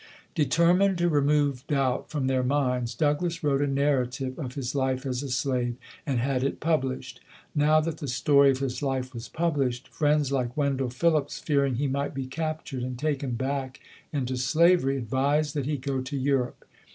Determined to remove doubt from their minds, Douglass wrote a narrative of his life as a slave and had it published. Now that the story of his life was published, friends like Wendell Phillips, fearing he might be captured and taken back into slavery, advised that he go to Europe.